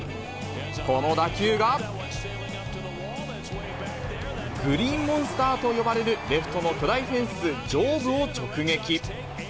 この打球が、グリーンモンスターと呼ばれるレフトの巨大フェンス上部を直撃。